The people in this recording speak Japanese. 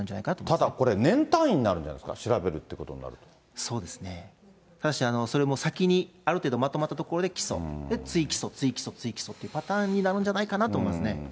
ただこれ、年単位になるんじゃないですか、調べるってことにそうですね、ただし、それも先にある程度まとまったところで起訴、追起訴、追起訴、追起訴というパターンになるんじゃないかなと思いますね。